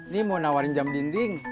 ini mau nawarin jam dinding